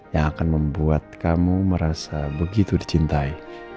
yang akan membuat kamu merasa begitu dicintai